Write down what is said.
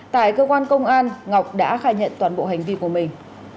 tại cơ quan công an ngọc đã khai nhận toàn bộ hành vi của mình